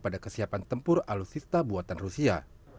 pada kesiapan tempur alutsista buatan rusia